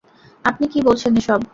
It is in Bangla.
আপনি কী বলছেন এসব?